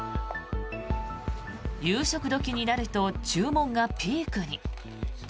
夕食時になると注文がピークに。